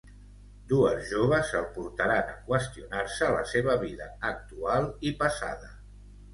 Dues joves el portaran a qüestionar-se la seva vida actual i passada.